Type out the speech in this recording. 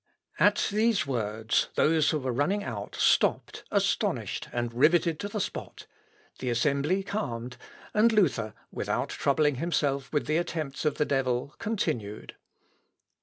" At these words, those who were running out, stopped astonished and rivetted to the spot; the assembly calmed, and Luther, without troubling himself with the attempts of the devil, continued.